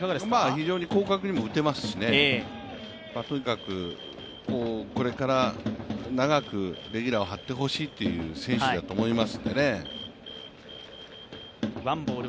非常に広角にも打てますし、これから長くレギュラーを張ってほしい選手だと思います。